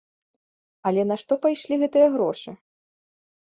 Але на што пайшлі гэтыя грошы?